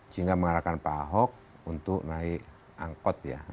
sehingga mengarahkan pak ahok untuk naik angkot ya